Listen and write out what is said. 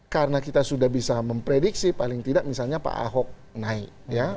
karena kita sudah bisa memprediksi paling tidak misalnya pak ahok naik ya